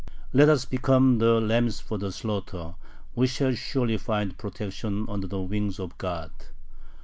Let us become the lambs for the slaughter; we shall surely find protection under the wings of God."